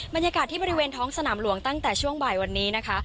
บรรยากาศที่บริเวณท้องสนามหลวงตั้งแต่ช่วงบ่ายวันนี้นะคะ